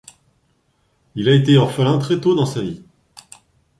Il a été orphelin très tôt dans sa vie.